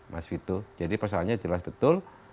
mas vito jadi persoalannya jelas betul